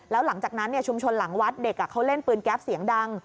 แล้วหลังจากนั้นชุมชนหลังวัดเด็กเขาเล่นปืนแก๊ปเสียงดัง